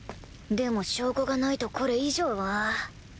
でも証拠がないとこれ以上は。